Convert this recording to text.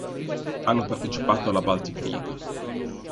Hanno partecipato alla Baltic League.